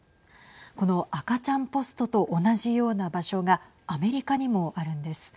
この赤ちゃんポストと同じような場所がアメリカにもあるんです。